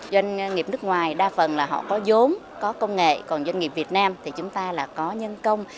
doanh nghiệp nước ngoài đa phần là họ có giống có công nghệ còn doanh nghiệp việt nam thì chúng ta là có nhân công